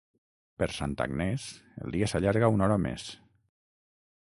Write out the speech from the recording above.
Per Santa Agnès el dia s'allarga una hora més.